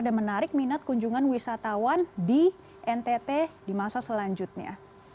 dan menarik minat kunjungan wisatawan di ntt di masa selanjutnya